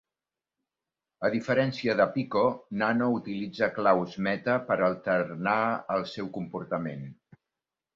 A diferència de Pico, Nano utilitza claus meta per alternar el seu comportament.